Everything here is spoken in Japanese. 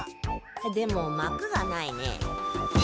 でもまくがないね。